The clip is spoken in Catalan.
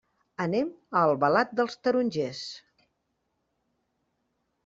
Anem a Albalat dels Tarongers.